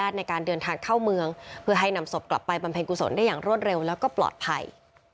เพื่อให้นำศพกลับไปบรรเภงกุศลได้อย่างรวดเร็วและก็ปลอดภัย